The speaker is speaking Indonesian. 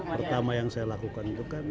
pertama yang saya lakukan itu kan